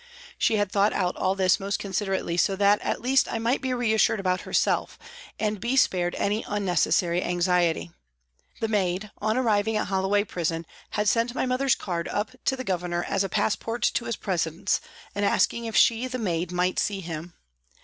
She had thought out all this most considerately so that at least I might be reassured about herself, and be spared any unnecessary anxiety. The maid, on arriving at Hollo way Prison, had sent my mother's card up to the Governor as a passport to his presence and asking if she, the maid, might see him.